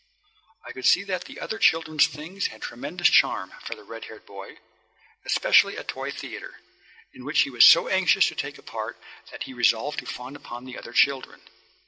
I could see that the other children's things had tremendous charm for the red haired boy, especially a toy theatre, in which he was so anxious to take a part that he resolved to fawn upon the other children.